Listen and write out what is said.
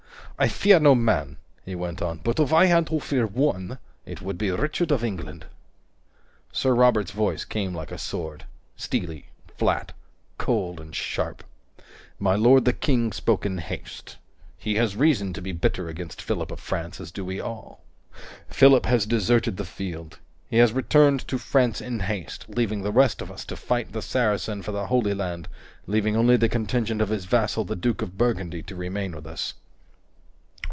"I fear no man," he went on, "but if I had to fear one, it would be Richard of England." Sir Robert's voice came like a sword: steely, flat, cold, and sharp. "My lord the King spoke in haste. He has reason to be bitter against Philip of France, as do we all. Philip has deserted the field. He has returned to France in haste, leaving the rest of us to fight the Saracen for the Holy Land leaving only the contingent of his vassal the Duke of Burgundy to remain with us."